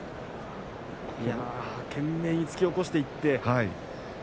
懸命に突き起こしていって。